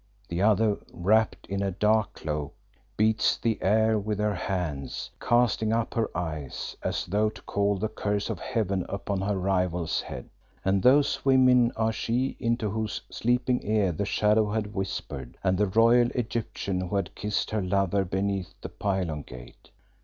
The other, wrapped in a dark cloak, beats the air with her hands, casting up her eyes as though to call the curse of Heaven upon her rival's head. And those women are she into whose sleeping ear the shadow had whispered, and the royal Egyptian who had kissed her lover beneath the pylon gate.